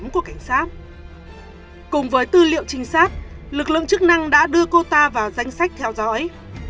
cùng với tư liệu trinh sát lực lượng chức năng đã đưa cô ta vào danh sách theo dõi